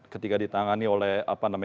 ketika ditangani oleh